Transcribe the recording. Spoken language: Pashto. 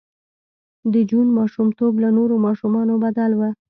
د جون ماشومتوب له نورو ماشومانو بدل و